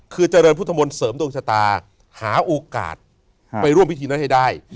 คือเจริญพุทธมนต์เสริมดวงชะตาหาโอกาสไปร่วมพิธีนั้นให้ได้